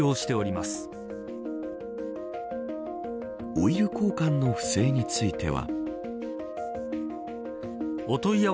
オイル交換の不正については。